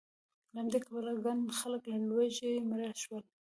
له همدې کبله ګڼ خلک له لوږې مړه شول